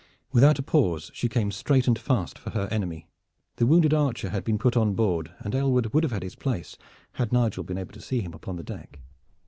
Without a pause she came straight and fast for her enemy. The wounded archer had been put on board, and Aylward would have had his place had Nigel been able to see him upon the deck.